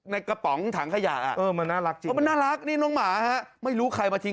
ในกระป๋องถังขยะอ่ะเอ้อมันน่ารักจริงน้องหมาฮะ